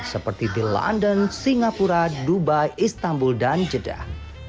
seperti di london singapura dubai istanbul dan jeddah